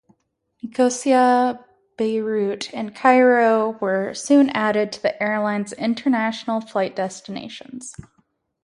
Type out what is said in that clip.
Nicosia, Beirut and Cairo were soon added to the airline's international flight destinations.